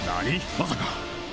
まさか！